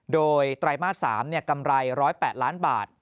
โดยไตรมาส๓กำไร๑๐๘ล้านบาท